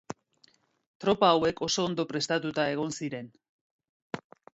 Tropa hauek oso ondo prestatuta egon ziren.